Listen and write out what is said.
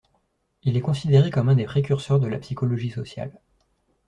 Il est considéré comme un des précurseurs de la psychologie sociale.